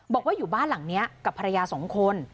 บอกว่าอยู่บ้านหลังนี้กับภรรยา๒คน